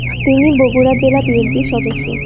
তিনি বগুড়া জেলা বিএনপির সদস্য।